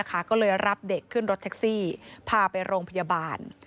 ก็เลยรับเด็กขึ้นรถแท็กซี่พาไปโรงพยาบาล